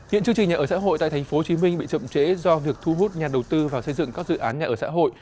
hiện chương trình nhà ở xã hội tại tp hcm bị chậm trễ do việc thu hút nhà đầu tư vào xây dựng các dự án nhà ở xã hội